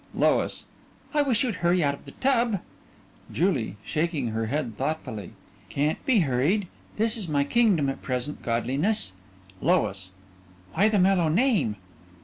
LOIS: I wish you'd hurry out of the tub. JULIE: (Shaking her head thoughtfully) Can't be hurried. This is my kingdom at present, Godliness. LOIS: Why the mellow name?